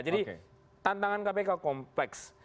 jadi tantangan kpk kompleks